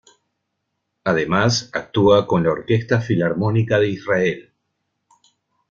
Además, actúa con la Orquesta Filarmónica de Israel.